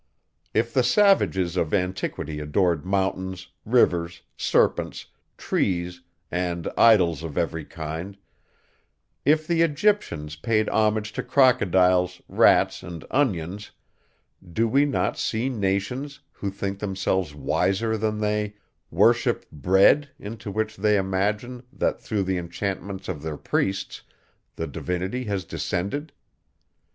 If the savages of antiquity adored mountains, rivers, serpents, trees, and idols of every kind; if the EGYPTIANS paid homage to crocodiles, rats, and onions, do we not see nations, who think themselves wiser than they, worship bread, into which they imagine, that through the enchantments of their priests, the divinity has descended.